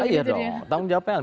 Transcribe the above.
iya dong tanggung jawab pln